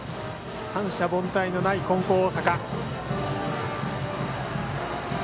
三者凡退のない金光大阪。